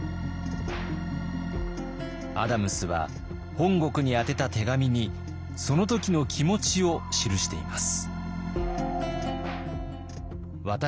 アダムスは本国に宛てた手紙にその時の気持ちを記しています。